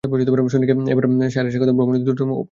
Sonic এয়ারে স্বাগত, ভ্রমণের দ্রুততম উপায়।